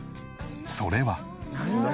それは。